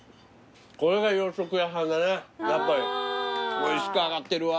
おいしく揚がってるわ。